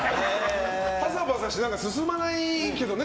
パサパサして進まないけどね